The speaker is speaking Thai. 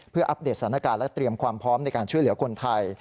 เพื่ออัปเดตสถานการณ์และเตรียมความพร้อมในการช่วยเหลือคนไทย